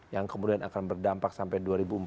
yang kemudian akan berdampak sampai dua ribu empat puluh